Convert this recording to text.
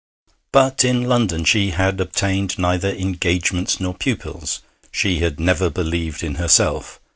But in London she had obtained neither engagements nor pupils: she had never believed in herself.